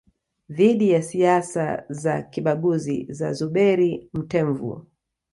dhidi ya siasa za kibaguzi za Zuberi Mtemvu